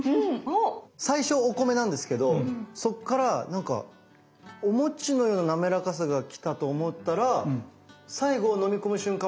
最初お米なんですけどそっからなんかお餅のような滑らかさがきたと思ったら最後飲み込む瞬間